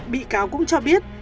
bị cáo cũng cho biết